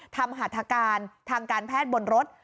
ทำหัฐกาลทางการแพทย์บนรถ